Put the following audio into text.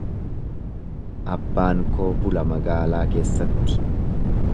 Abbaan koo bula magaalaa keessatti.